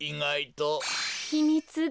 ひみつが。